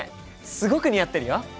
すごく似合ってるよ！